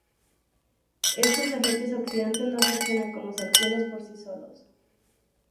Estos agentes oxidantes no reaccionan con los alquenos por sí solos.